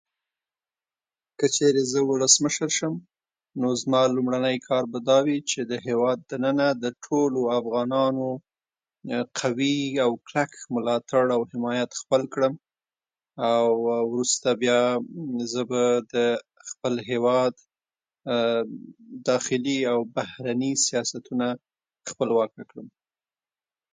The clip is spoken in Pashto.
که چېرې زه ولسمشر شم، نو زما لومړنی کار به دا وي چې د هېواد د ننه د ټولو افغانانو قوي او کلک حمایت او ملاتړ خپل کړم، او وروسته بیا زه به د خپل هېواد داخلي او بهرني سیاستونه خپلواکه کړم.